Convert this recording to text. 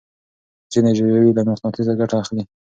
ځينې ژوي له مقناطيسه ګټه اخلي.